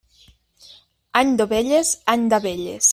Any d'ovelles, any d'abelles.